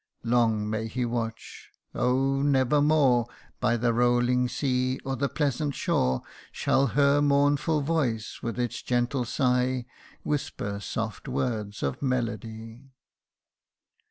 Long may he watch. Oh ! never more By the rolling sea, or the pleasant shore, Shall her mournful voice with its gentle sigh Whisper soft words of melody.